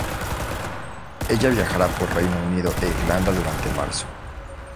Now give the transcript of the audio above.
Ella viajará por Reino Unido e Irlanda durante marzo.